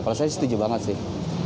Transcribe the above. kalau saya setuju banget sih